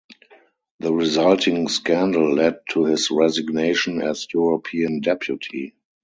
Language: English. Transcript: The resulting scandal led to his resignation as European deputy.